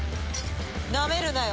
なめるなよ！